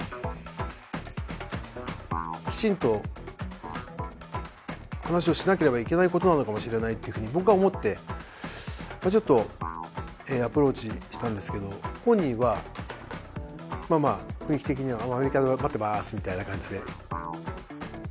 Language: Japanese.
きちんと話をしなければいけない事なのかもしれないという風に僕は思ってちょっとアプローチしたんですけど本人はまあまあ雰囲気的には「アメリカで待ってまーす」みたいな感じで。